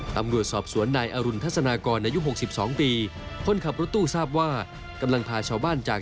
ตำรวจสอบสวนนายอรุณทัศนากรอายุ๖๒ปีคนขับรถตู้ทราบว่ากำลังพาชาวบ้านจาก